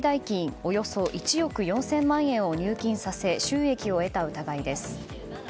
およそ１億４０００万円を入金させ収益を得た疑いです。